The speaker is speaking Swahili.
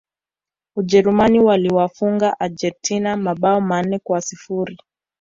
Ujerumani waliwafunga Argentina mabao manne kwa sifuri